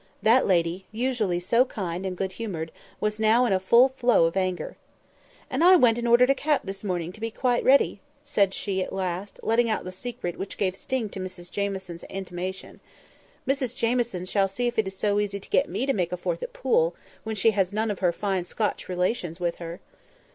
That lady, usually so kind and good humoured, was now in a full flow of anger. "And I went and ordered a cap this morning, to be quite ready," said she at last, letting out the secret which gave sting to Mrs Jamieson's intimation. "Mrs Jamieson shall see if it is so easy to get me to make fourth at a pool when she has none of her fine Scotch relations with her!"